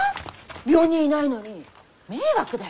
病人いないのに迷惑だよ。